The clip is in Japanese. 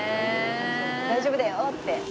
大丈夫だよって。